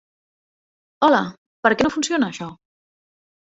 Hola! Per què no funciona això?